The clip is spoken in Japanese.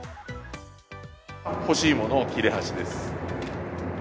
干し芋の切れ端です。